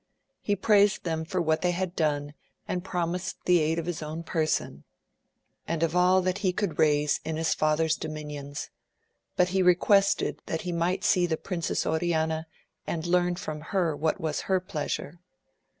He praised them for what they had done and promised the aid of his own person, and of all that he could raise in his father's dominions, but he requested that he might see the Princess On ana, and learn from her what was her pleasure.